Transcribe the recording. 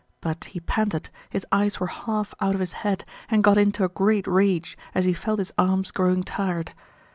But he panted, his eyes were half out of his head, and got into a great rage as he felt his arms growing tired.